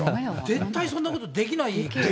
絶対そんなことできないでしょ。